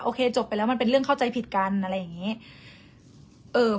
จบไปแล้วมันเป็นเรื่องเข้าใจผิดกันอะไรอย่างนี้